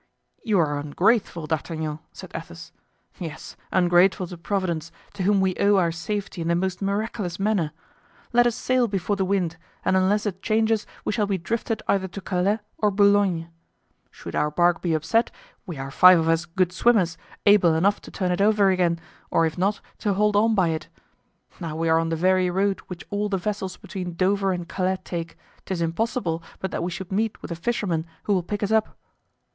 "You are ungrateful, D'Artagnan," said Athos; "yes, ungrateful to Providence, to whom we owe our safety in the most miraculous manner. Let us sail before the wind, and unless it changes we shall be drifted either to Calais or Boulogne. Should our bark be upset we are five of us good swimmers, able enough to turn it over again, or if not, to hold on by it. Now we are on the very road which all the vessels between Dover and Calais take, 'tis impossible but that we should meet with a fisherman who will pick us up."